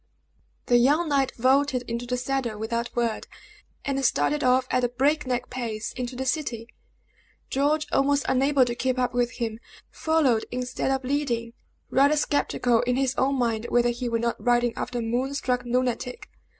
The young knight vaulted into the saddle without a word, and started off at a break neck pace into the city. George, almost unable to keep up with him, followed instead of leading, rather skeptical in his own mind whether he were not riding after a moon struck lunatic.